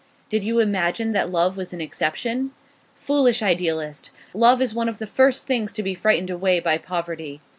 Did you imagine that love was an exception? Foolish idealist! Love is one of the first things to be frightened away by poverty.